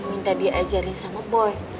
minta dia ajarin sama boy